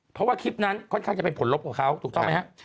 เพราะว่าคลิปนั้นค่อนข้างจะเป็นผลลบของเขาถูกต้องไหมครับ